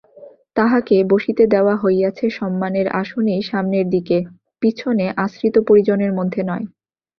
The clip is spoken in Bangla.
তাহাকে বসিতে দেওয়া হইয়াছে সম্মানের আসনেই সামনের দিকে, পিছনে আশ্রিত পরিজনদের মধ্যে নয়।